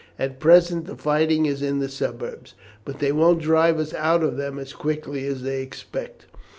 At present the fighting is in the suburbs, but they won't drive us out of them as quickly as they expect."